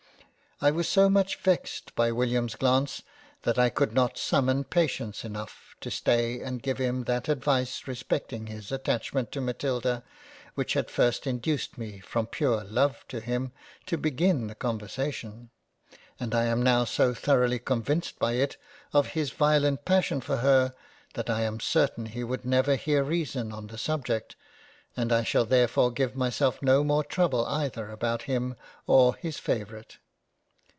—. I was so much vexed by William's glance, that I could not summon Patience enough, to stay and give him that advice respecting his attach ment to Matilda which had first induced me from pure Love to him to begin the conversation ; and I am now so thoroughly convinced by it, of his violent passion for her, that I am certain he would never hear reason on the subject, and I shall there fore give myself no more trouble either about him or his favourite.